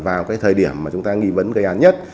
vào cái thời điểm mà chúng ta nghi vấn gây án nhất